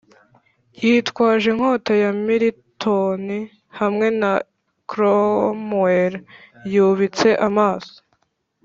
yitwaje inkota ya milton hamwe na cromwell yubitse amaso,